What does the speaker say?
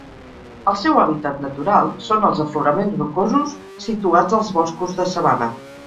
El seu hàbitat natural són els afloraments rocosos situats als boscos de sabana.